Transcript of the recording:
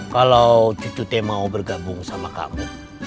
kalau cucu teh mau bergabung sama kamu